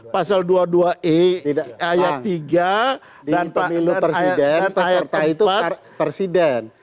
pasal dua puluh dua e ayat tiga dan pemilu presiden serta itu presiden